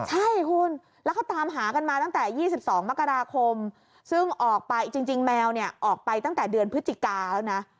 ใช่คุณแล้วเขาตามหากันมาตั้งแต่๒๒มกราคมซึ่งออกไปจริงแมวเนี่ยออกไปตั้งแต่เดือนพฤศจิกาแล้วนะ